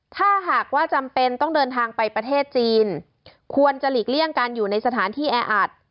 ถ้าหากว่าจำเป็นต้องเดินทางไปประเทศจีนควรจะหลีกเลี่ยงการอยู่ในสถานที่แออัด